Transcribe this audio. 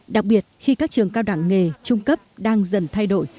đặc biệt khi các trường cao đẳng nghề trung cấp đang dần thay đổi